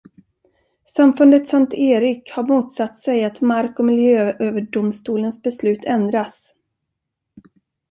Samfundet Sankt Erik har motsatt sig att Mark- och miljööverdomstolens beslut ändras.